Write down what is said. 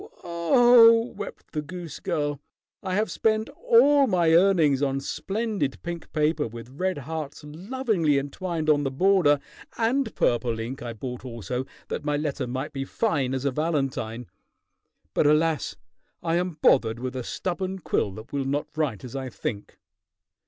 Oh!" wept the goose girl, "I have spent all my earnings on splendid pink paper with red hearts lovingly entwined on the border, and purple ink I bought also that my letter might be fine as a valentine. But, alas! I am bothered with a stubborn quill that will not write as I think.